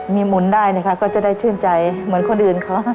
มีหมุนได้นะคะก็จะได้ชื่นใจเหมือนคนอื่นเขา